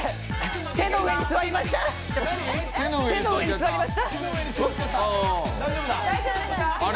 手の上に座りました！